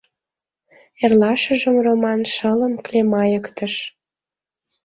— Эрлашыжым Роман шылым клемайыктыш.